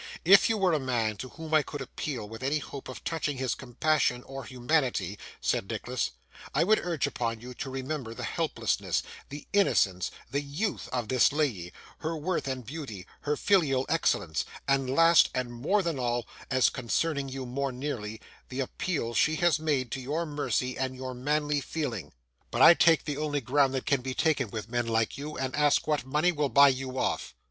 'If you were a man to whom I could appeal with any hope of touching his compassion or humanity,' said Nicholas, 'I would urge upon you to remember the helplessness, the innocence, the youth, of this lady; her worth and beauty, her filial excellence, and last, and more than all, as concerning you more nearly, the appeal she has made to your mercy and your manly feeling. But, I take the only ground that can be taken with men like you, and ask what money will buy you off.